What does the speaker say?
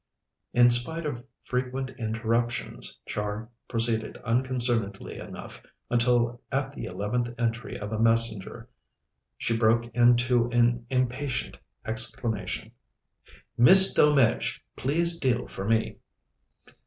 In spite of frequent interruptions, Char proceeded unconcernedly enough, until at the eleventh entry of a messenger she broke into an impatient exclamation: "Miss Delmege, please deal for me!"